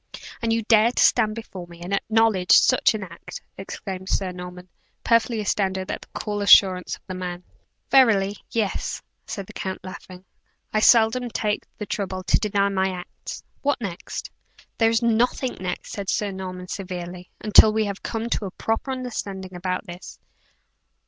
"And you dare to stand before me and acknowledge such an act?" exclaimed Sir Norman, perfectly astounded at the cool assurance of the man. "Verily, yea," said the count, laughing. "I seldom take the trouble to deny my acts. What next?" "There is nothing next," said Sir Norman, severely, "until we have come to a proper understanding about this.